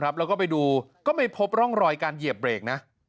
แล้วก็ไปดูก็ไม่พบร่องรอยการเหยียบเบรกนะ